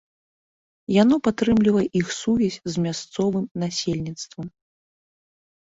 Яно падтрымлівае іх сувязь з мясцовым насельніцтвам.